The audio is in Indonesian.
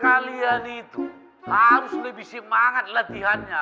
kalian itu harus lebih semangat latihannya